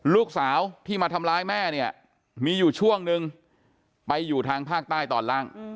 ลูกสาวที่มาทำร้ายแม่เนี่ยมีอยู่ช่วงนึงไปอยู่ทางภาคใต้ตอนล่าง